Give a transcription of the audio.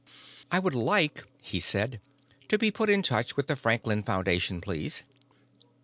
"I would like," he said, "to be put in touch with the Franklin Foundation, please."